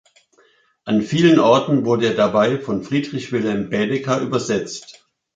An vielen Orten wurde er dabei von Friedrich Wilhelm Baedeker übersetzt.